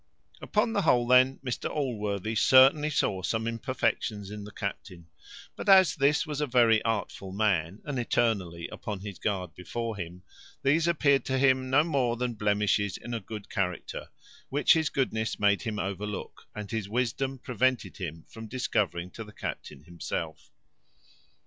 Upon the whole, then, Mr Allworthy certainly saw some imperfections in the captain; but as this was a very artful man, and eternally upon his guard before him, these appeared to him no more than blemishes in a good character, which his goodness made him overlook, and his wisdom prevented him from discovering to the captain himself.